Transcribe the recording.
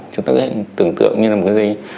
chúng ta có thể tưởng tượng như là một cái dây